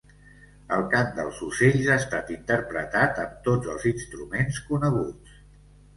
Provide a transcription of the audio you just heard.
El Cant dels ocells ha estat interpretat amb tots els instruments coneguts.